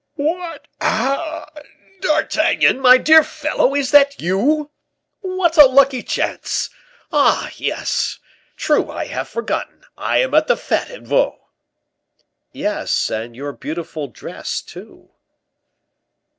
"What, D'Artagnan, my dear fellow, is that you? What a lucky chance! Oh, yes true; I have forgotten; I am at the fete at Vaux." "Yes; and your beautiful dress, too."